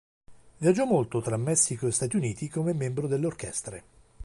Viaggiò molto tra Messico e Stati Uniti come membro delle orchestre.